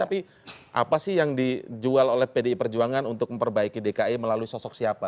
tapi apa sih yang dijual oleh pdi perjuangan untuk memperbaiki dki melalui sosok siapa